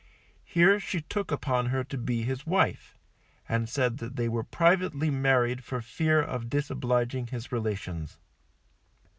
Here she took upon her to be his wife, and said that they were privately married for fear of disobliging his relations.